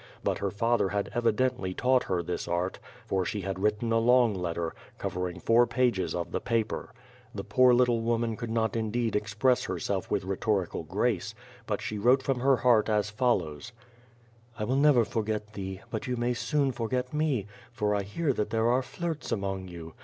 But her father had evidently taught her this art, for she had written a long letter, cover ing four pages of the paper. The poor little woman could not indeed express herself with rhetorical grace, but she wrote from her heart as follows: "I will never forget thee, but you may soon forget me, for I hear that there are flirts among you.